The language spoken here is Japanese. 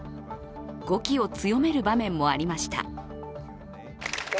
語気を強める場面もありました。